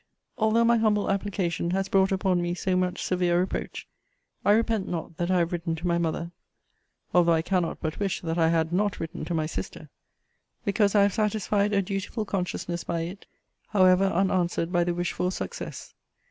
Although my humble application has brought upon me so much severe reproach, I repent not that I have written to my mother, (although I cannot but wish that I had not written to my sister;) because I have satisfied a dutiful consciousness by it, however unanswered by the wished for success.